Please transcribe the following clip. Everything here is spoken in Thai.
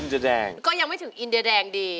อินเดียแดงก็ยังไม่ถึงอินเดียแดงดี